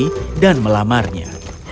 dia menemukan melamarnya